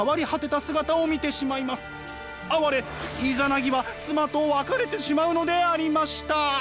あわれイザナギは妻と別れてしまうのでありました。